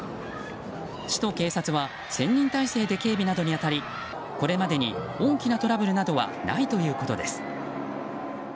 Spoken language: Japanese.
市と警察は１０００人態勢で警備などに当たりこれまでに大きなトラブルなどはないということです。